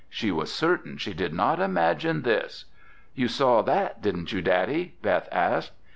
She was certain she did not imagine this. "You saw that, didn't you, Daddy?" Beth asked.